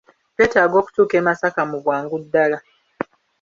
Twetaaga okutuuka e Masaka mu bwangu ddala.